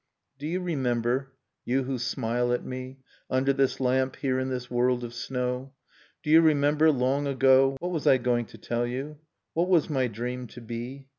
Do you remember, you who smile at me. Under this lamp, here in this world of snow. Do you remember, long ago ... What was I going to tell you? What was my dream to be?